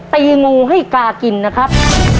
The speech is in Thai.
ตีงูให้กากินนะครับ